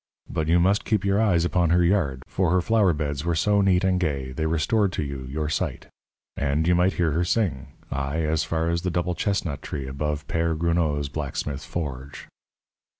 But you must keep your eyes upon her yard, for her flower beds were so neat and gay they restored to you your sight. And you might hear her sing, aye, as far as the double chestnut tree above Père Gruneau's blacksmith forge.